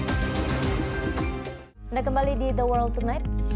anda kembali di the world tonight